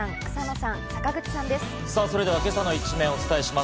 さぁそれでは今朝の一面をお伝えします。